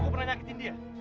gua pernah nyakitin dia